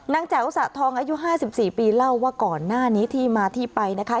แจ๋วสะทองอายุ๕๔ปีเล่าว่าก่อนหน้านี้ที่มาที่ไปนะคะ